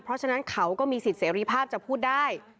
เพราะฉะนั้นเขาก็มีสิทธิเสรีภาพจะพูดได้